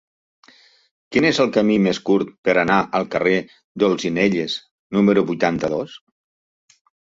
Quin és el camí més curt per anar al carrer d'Olzinelles número vuitanta-dos?